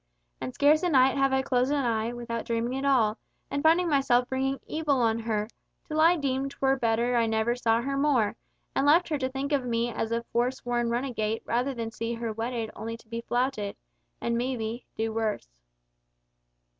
And scarce a night have I closed an eye without dreaming it all, and finding myself bringing evil on her, till I deemed 'twere better I never saw her more, and left her to think of me as a forsworn runagate rather than see her wedded only to be flouted—and maybe—do worse."